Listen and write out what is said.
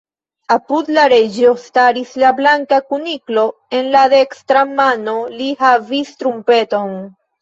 Apud la Reĝo staris la Blanka Kuniklo; en la dekstra mano li havis trumpeton.